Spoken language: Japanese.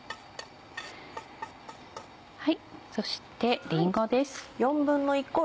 そしてりんごです。